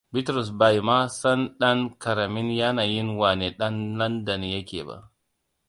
Bitrus bai ma san ɗan ƙaramin yanayin wane ɗan Landan yake ba.